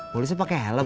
mulusnya pakai helm